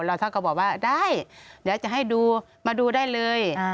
แล้วท่านก็บอกว่าได้เดี๋ยวจะให้ดูมาดูได้เลย